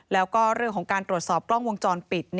แล้วก็เรื่องของการตรวจสอบกล้องวงจรปิด